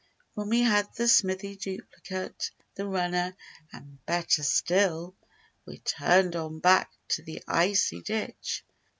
When we had the "smithy" duplicate The runner—and better still We turned on back to the icy ditch.